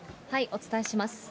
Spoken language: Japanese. お伝えします。